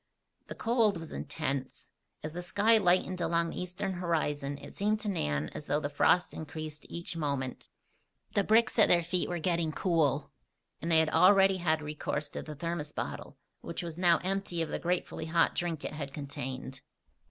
The cold was intense. As the sky lightened along the eastern horizon it seemed to Nan as though the frost increased each moment. The bricks at their feet were getting cool; and they had already had recourse to the thermos bottle, which was now empty of the gratefully hot drink it had contained.